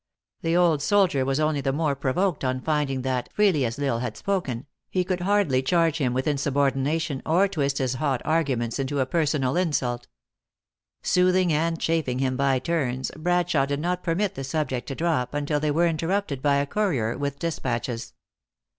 The old soldier was only the more provoked on finding that, freely as L Isle had spoken, he could hardly charge him with insubordination, or twist his hot arguments into a personal insult. Soothing and chafing him by turns, Bradshawe did not permit the subject to drop until they were interrupted by a courier with de spatches.